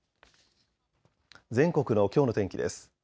全国のきょうの天気です。